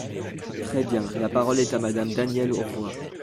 Très bien ! La parole est à Madame Danielle Auroi.